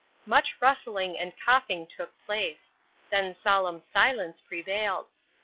Much rustling and coughing took place; then solemn silence prevailed.